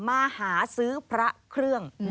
มาหาซื้อพระเครื่อง